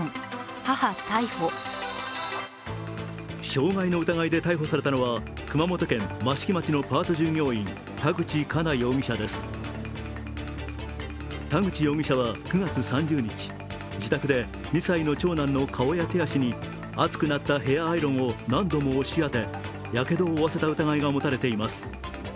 傷害の疑いで逮捕されたのは熊本県益城町のパート従業員、田口加奈容疑者です田口容疑者は９月３０日、自宅で２歳の長男の顔や手足に熱くなったヘアアイロンを何度も押し当て、やけどを負わせた疑いが持たれています。